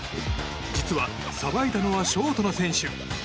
実は、さばいたのはショートの選手。